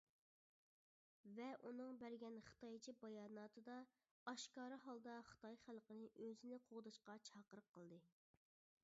ۋە ئۇنىڭ بەرگەن خىتايچە باياناتىدا ئاشكارا ھالدا خىتاي خەلقىنى ئۆزىنى قوغداشقا چاقىرىق قىلدى.